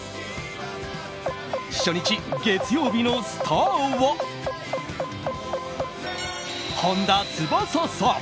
初日、月曜日のスターは本田翼さん。